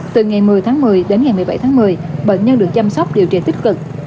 từ ngày một mươi tháng một mươi đến ngày một mươi bảy tháng một mươi bệnh nhân được chăm sóc điều trị tích cực